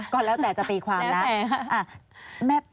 ก่อนแล้วแต่จะตีความแล้ว